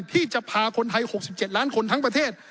ที่จะพาคนไทย๖๗ล้านคนทั้งประเทศ